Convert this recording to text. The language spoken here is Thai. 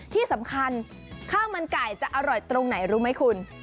ที่สำคัญข้าวมันไก่จะอร่อยตรงไหนรู้ไหมคุณ